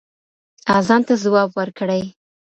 اذان ته ځواب ورکړئ.